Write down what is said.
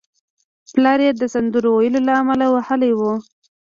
پلار یې د سندرو ویلو له امله وهلی و